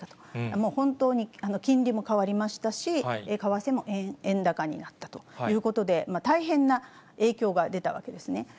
もう本当に金利も変わりましたし、為替も円高になったということで、大変な影響が出たわけですね。